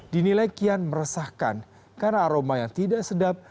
dinilai kian meresahkan karena aroma yang tidak sedap